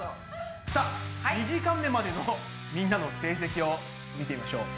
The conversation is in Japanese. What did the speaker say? さあ２時間目までのみんなの成績を見てみましょう。